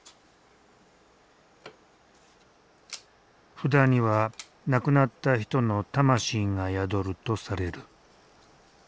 札には亡くなった人の魂が宿るとされる。